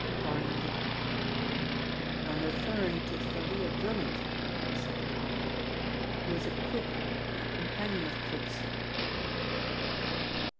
Parr nodded. "I'm referring to Thalia Drummond," he said calmly, "who is a crook and a companion of crooks!"